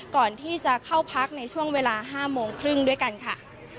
ก่อนที่จะเข้าพักในช่วงเวลา๕โมงครึ่งด้วยกันค่ะ